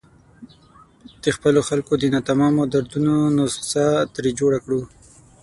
د خپلو خلکو د ناتمامو دردونو نسخه ترې جوړه کړو.